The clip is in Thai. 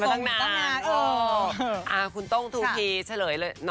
บางคนก็เลยบอกว่าอยู่ตรงนี้แหละ